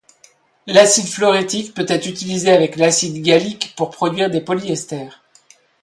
L'acide phlorétique peut être utilisé avec l'acide gallique pour produire des polyesters.